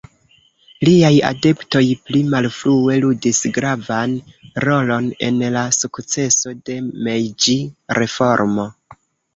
Liaj adeptoj pli malfrue ludis gravan rolon en la sukceso de la Mejĝi-reformo.